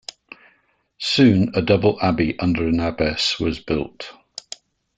Soon a double abbey under an Abbess was built.